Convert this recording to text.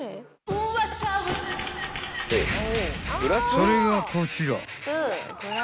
［それがこちら］